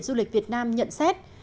du lịch việt nam nhận xét